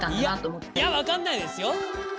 いや分かんないですよ。